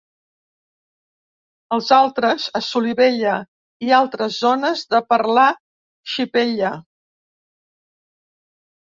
Els altres a Solivella i altres zones de parlar xipella.